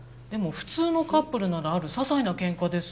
普通のカップルならあるささいなケンカです